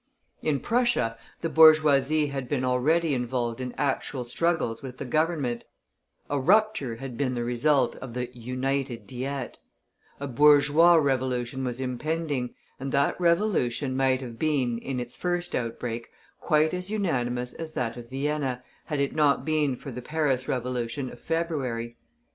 In Prussia, the bourgeoisie had been already involved in actual struggles with the Government; a rupture had been file result of the "United Diet"; a bourgeois revolution was impending, and that revolution might have been, in its first outbreak, quite as unanimous as that of Vienna, had it not been for the Paris Revolution of February.